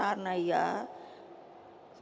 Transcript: ya saya tidak bisa kesana